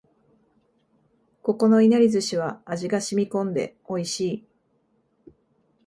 ここのいなり寿司は味が染み込んで美味しい